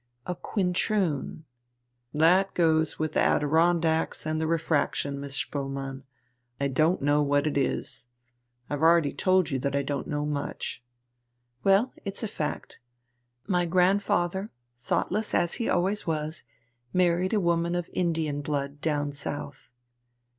"A quintroon." "That goes with the Adirondacks and the refraction, Miss Spoelmann. I don't know what it is. I've already told you that I don't know much." "Well, it's a fact. My grandfather, thoughtless as he always was, married a woman of Indian blood down South."